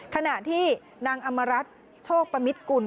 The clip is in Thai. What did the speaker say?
ขณะที่นางอำมารัฐโชคปมิตกุล